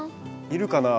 いるかな？